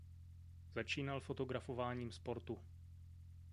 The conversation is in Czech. Začínal fotografováním sportu.